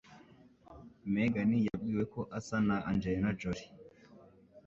Megan yabwiwe ko asa na Angelina Jolie.